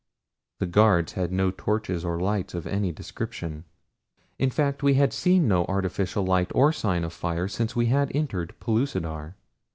The guards had no torches or light of any description. In fact we had seen no artificial light or sign of fire since we had entered Pellucidar.